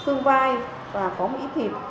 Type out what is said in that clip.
xương bai và có mỹ thịt